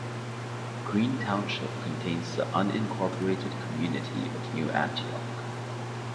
Green Township contains the unincorporated community of New Antioch.